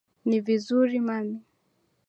ni vizuri mami